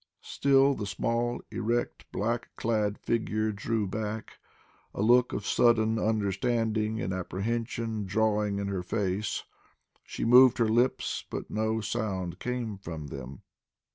Still the small, erect, black clad figure drew back, a look of sudden understanding and apprehension dawning in her face. She moved her lips, but no sound came from them.